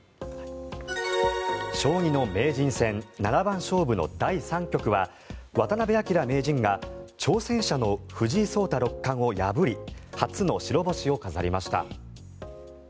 将棋の名人戦七番勝負の第３局は渡辺明名人が挑戦者の藤井聡太六冠を破り初の白星を飾りました。